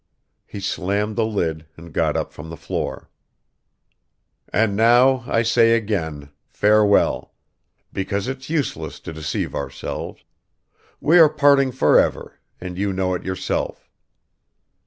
He slammed the lid and got up from the floor. "And now I say again, farewell ... because it's useless to deceive ourselves; we are parting forever, and you know it yourself